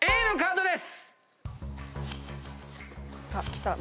Ａのカードです！